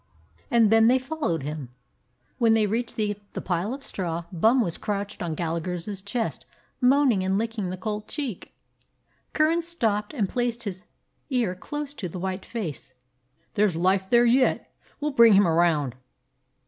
And then they followed him. When they reached the pile of straw, Bum was crouched on Gallagher's chest, moaning and licking the cold cheek. Curran stooped and placed his ear close to the white face. "There 's life there yet. We 'll bring him around.